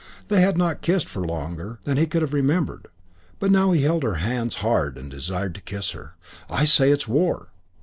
They had not kissed for longer than he could have remembered; but now he held her hands hard and desired to kiss her. "I say, it's war."